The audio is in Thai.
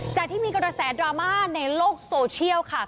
จากที่มีกระแสดราม่าในโลกโซเชียลค่ะ